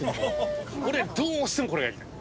俺どうしてもこれをやりたい。